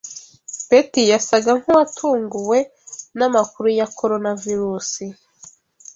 Betty yasaga nkuwatunguwe namakuru ya Coronavirus